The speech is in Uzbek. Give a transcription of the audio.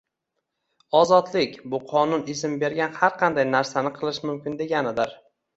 Ozodlik bu qonun izn bergan har qanday narsani qilish mumkin deganidir.